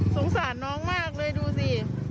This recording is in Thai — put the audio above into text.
สงสารน้องมากเลยดูสิ